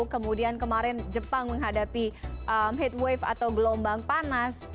kemudian kemarin jepang menghadapi heat wave atau gelombang panas